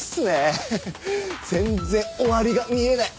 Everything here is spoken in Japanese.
全然終わりが見えない。